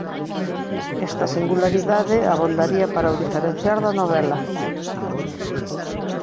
Esta singularidade abondaría para o diferenciar da novela.